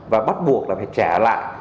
và bắt buộc là phải trả lại